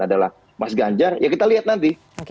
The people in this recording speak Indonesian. adalah mas ganjar ya kita lihat nanti